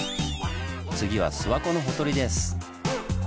次は諏訪湖のほとりです！